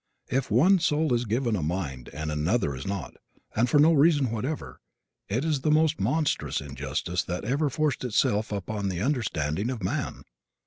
If one soul is given a mind and another is not, and for no reason whatever, it is the most monstrous injustice that ever forced itself upon the understanding of man!